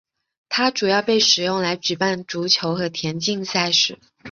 它主要被使用来举办足球和田径赛事。